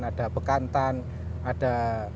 ada bekantan ada